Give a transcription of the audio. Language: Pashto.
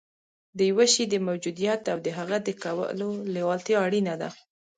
د یوه شي د موجودیت او د هغه د کولو لېوالتیا اړینه ده